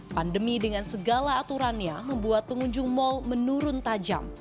pandemi dengan segala aturannya membuat pengunjung mal menurun tajam